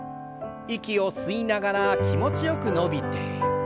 息を吸いながら気持ちよく伸びて。